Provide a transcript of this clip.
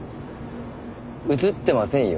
映ってませんよ。